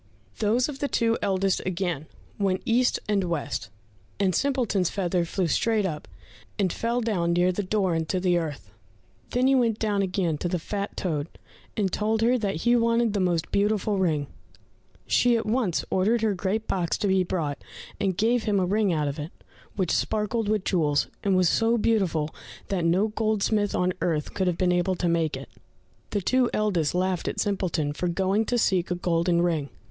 Those of the two eldest again went east and west, and Simpleton's feather flew straight up, and fell down near the door into the earth. Then he went down again to the fat toad, and told her that he wanted the most beautiful ring. She at once ordered her great box to be brought, and gave him a ring out of it, which sparkled with jewels, and was so beautiful that no goldsmith on earth would have been able to make it. The two eldest laughed at Simpleton for going to seek a golden ring.